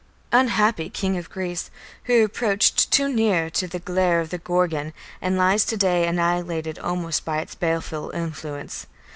Unhappy King of Greece, who approached too near to the glare of the Gorgon, and lies to day annihilated almost by its baleful influence!